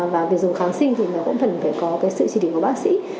và việc dùng kháng sinh thì cũng phải có sự chỉ định của bác sĩ